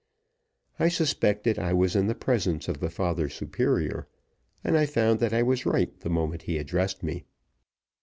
I suspected I was in the presence of the father superior, and I found that I was right the moment he addressed me.